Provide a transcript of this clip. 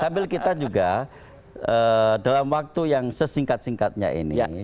sambil kita juga dalam waktu yang sesingkat singkatnya ini